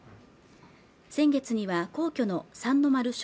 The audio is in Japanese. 先月には皇居の三の丸尚